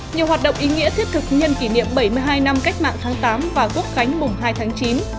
nhiều hoạt động ý nghĩa thiết thực nhân kỷ niệm bảy mươi hai năm cách mạng tháng tám và quốc khánh mùng hai tháng chín